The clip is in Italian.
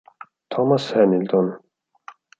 Thomas Hamilton